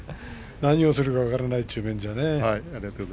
何をするか分からないという点ではね。